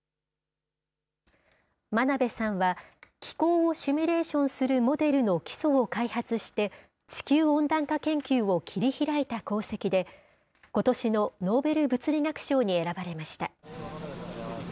真鍋さんは、気候をシミュレーションするモデルの基礎を開発して、地球温暖化研究を切り開いた功績で、ことしのノーベル物理学賞に選ばれました。